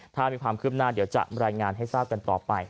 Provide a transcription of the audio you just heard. ถ้ามีความคืบหน้าเดี๋ยวจะรายงานให้ทราบกันต่อไป